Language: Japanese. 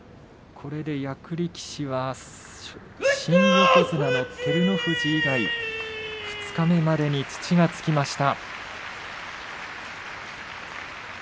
これで役力士は新横綱の照ノ富士以外すべて土がつきました。